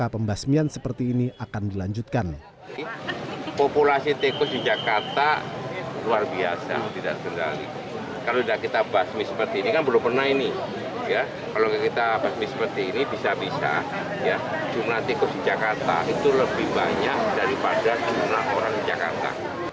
daripada jumlah orang di jakarta